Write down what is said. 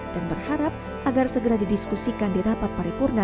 dan berharap agar segera didiskusikan di rapat paripurna